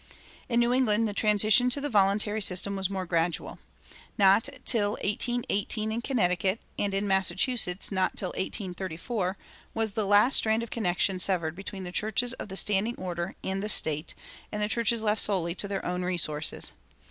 In New England the transition to the voluntary system was more gradual. Not till 1818 in Connecticut, and in Massachusetts not till 1834, was the last strand of connection severed between the churches of the standing order and the state, and the churches left solely to their own resources.